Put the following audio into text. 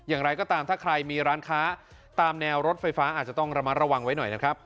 อย่างไรก็ตามถ้าใครมีร้านค้าตามแนวรถไฟฟ้าอาจจะต้องระมัดระวังไว้หน่อยนะครับ